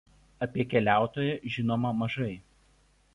Apie keliautoją žinoma mažai.